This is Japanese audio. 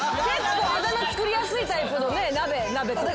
あだ名作りやすいタイプのねナベとか。